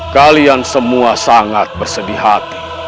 kalian semua sangat bersedih hati